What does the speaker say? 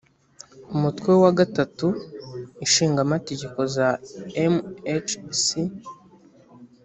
umutwe wa iii inshingano za mhc